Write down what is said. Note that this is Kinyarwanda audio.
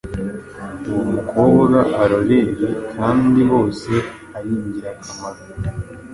uw’umukobwa arorere kandi bose ari ingirakamaro.